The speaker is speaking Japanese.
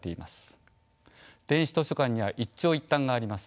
電子図書館には一長一短があります。